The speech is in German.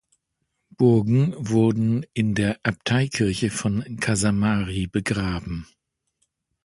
Burgen wurde in der Abteikirche von Casamari begraben.